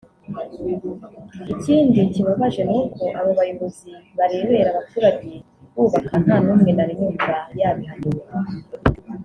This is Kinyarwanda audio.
Ikindi kibabaje ni uko abo bayobozi barebera abaturage bubaka nta n’umwe nari numva yabihaniwe